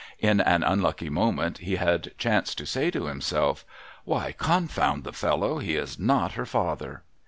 In an unlucky moment he had chanced to say to himself, ' Why, confound the fellow, he is not her father